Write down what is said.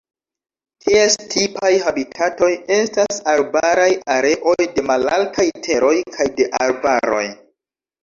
Ties tipaj habitatoj estas arbaraj areoj de malaltaj teroj kaj de arbaroj.